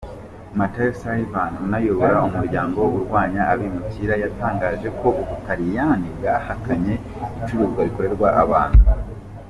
Matteo Salvini unayobora umuryango urwanya abimukira yatangaje ko “u Butaliyani bwahakanye icuruzwa rikorerwa abantu!”.